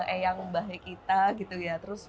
eh yang bahaya kita gitu ya